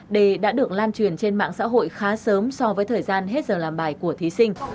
đề đã được lan truyền trên mạng xã hội khá sớm so với thời gian hết giờ làm bài của thí sinh